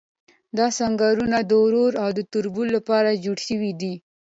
دا سنګرونه د ورور او تربور لپاره جوړ شوي دي.